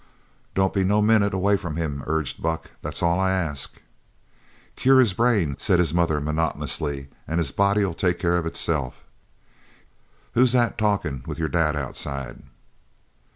"Don't be no minute away from him," urged Buck, "that's all I ask." "Cure his brain," said his mother monotonously, "an' his body'll take care of itself. Who's that talkin' with your dad outside?"